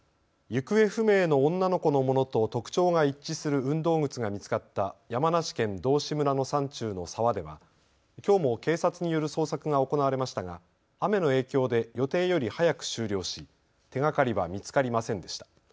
行方不明の女の子のものと特徴が一致する運動靴が見つかった山梨県道志村の山中の沢ではきょうも警察による捜索が行われましたが雨の影響で予定より早く終了し手がかりは見つかりませんでした。